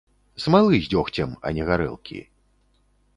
Смалы з дзёгцем, а не гарэлкі.